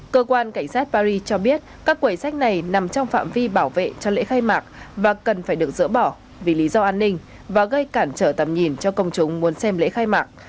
cơ quan cảnh sát paris cho biết các quầy sách này nằm trong phạm vi bảo vệ cho lễ khai mạc và cần phải được dỡ bỏ vì lý do an ninh và gây cản trở tầm nhìn cho công chúng muốn xem lễ khai mạc